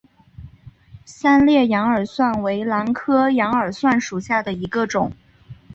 三裂羊耳蒜为兰科羊耳蒜属下的一个种。